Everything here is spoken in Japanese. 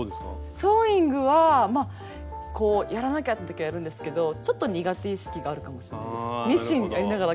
ソーイングはまあやらなきゃってときはやるんですけどちょっと苦手意識があるかもしれないです。